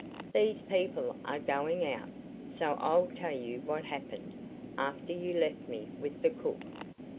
These people are going out, so I'll tell you what happened after you left me with the cook.